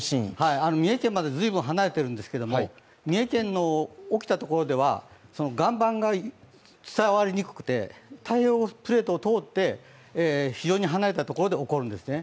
三重県までずいぶん離れているんですけれども、三重県の起きたところでは岩盤が伝わりにくくて、太平洋プレートを通って、非常に離れたところで起こるんですね。